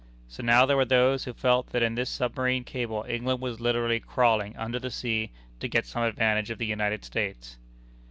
So now there were those who felt that in this submarine cable England was literally crawling under the sea to get some advantage of the United States!